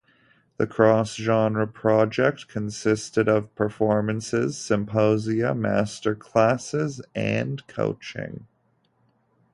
The cross-genre project consisted of performances, symposia, master classes, and coaching.